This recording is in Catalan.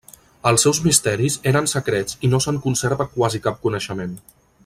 Els seus misteris eren secrets i no se'n conserva quasi cap coneixement.